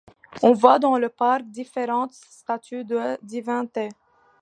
On voit dans le parc différentes statues de divinités.